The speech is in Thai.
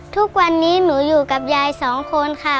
ทุกวันนี้หนูอยู่กับยายสองคนค่ะ